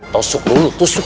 tusuk dulu tusuk